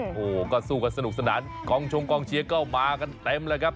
โอ้โหก็สู้กันสนุกสนานกองชงกองเชียร์ก็มากันเต็มเลยครับ